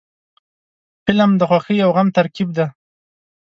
فلم د خوښۍ او غم ترکیب دی